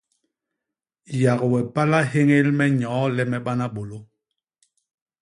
Yak we pala héñél me nyoo le me bana bôlô.